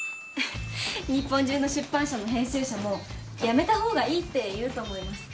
日本中の出版社も編集者もやめたほうがいいって言うと思います。